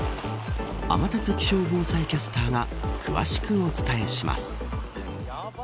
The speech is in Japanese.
天達気象防災キャスターが詳しくお伝えします。